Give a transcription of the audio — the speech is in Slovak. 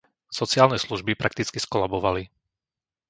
Sociálne služby prakticky skolabovali.